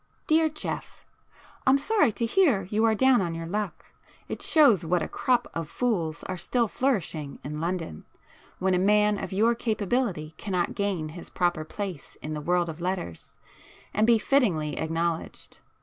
Dear Geoff, I'm sorry to hear you are down on your luck; it shows what a crop of fools are still flourishing in London, when a man of your capability cannot gain his proper place in the world of letters, and be fittingly acknowledged.